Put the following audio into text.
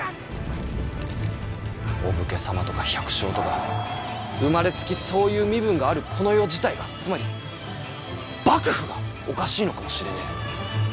お武家様とか百姓とか生まれつきそういう身分があるこの世自体がつまり幕府がおかしいのかもしれねぇ。